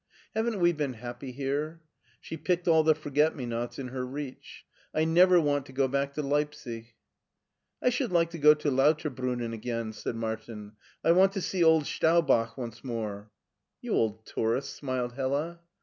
" Haven't we been happy here ?" She picked all the forget me nots in her reach. " I never want to go back to Leipsic.*' " I should like to go to Lauterbrunnen again," said Martin; " I want to see old Staubach once more/' " You old tourist," smiled Hella.